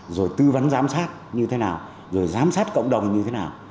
rồi tư vấn giám sát như thế nào rồi giám sát cộng đồng như thế nào